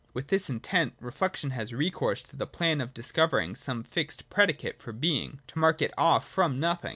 With this intent, reflection has recourse to the plan of discovering some fixed predicate for Being, to mark it off from Nothing.